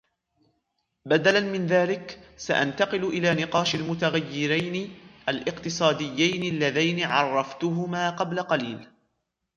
بدلًا من ذلك ، سأنتقل إلى نقاش المتغيريَّن الاقتصادييَّن اللذين عرفتهما قبل قليل.